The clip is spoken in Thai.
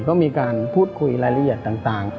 ก็มีการพูดคุยรายละเอียดต่าง